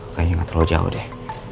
kayaknya nggak terlalu jauh deh